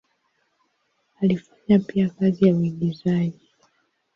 Alifanya pia kazi ya uigizaji.